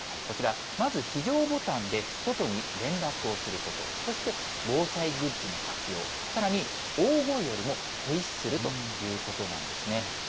まず非常ボタンで外に連絡をすること、そして防災グッズの活用、さらに大声よりもホイッスルということなんです。